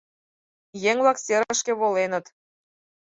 Еҥ-влак серышке воленыт